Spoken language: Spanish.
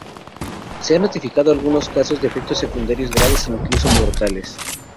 Se han notificado algunos casos de efectos secundarios graves, incluso mortales.